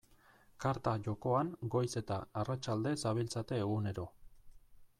Karta jokoan goiz eta arratsalde zabiltzate egunero.